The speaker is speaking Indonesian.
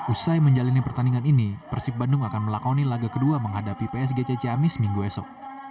usai menjalani pertandingan ini persib bandung akan melakoni laga kedua menghadapi psgc ciamis minggu esok